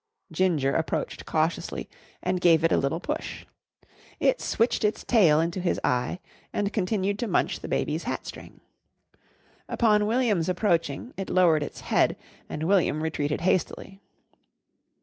Ginger approached cautiously and gave it a little push. It switched its tail into his eye and continued to munch the baby's hat string. Upon William's approaching it lowered its head, and William retreated hastily.